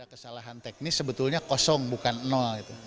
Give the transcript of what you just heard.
kesalahan teknis sebetulnya kosong bukan nol gitu